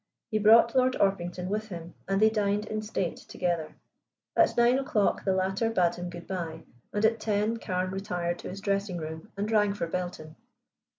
He brought Lord Orpington with him, and they dined in state together. At nine o'clock the latter bade him good bye, and at ten Carne retired to his dressing room and rang for Belton.